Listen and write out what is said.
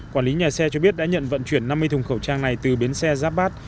quản lý nhà xe cho biết đã nhận vận chuyển năm mươi thùng khẩu trang này từ bến xe giáp bát